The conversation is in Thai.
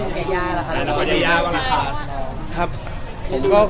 แล้วของพุทธยาย่าล่ะคะ